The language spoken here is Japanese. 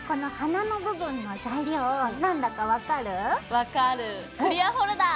分かるクリアホルダー！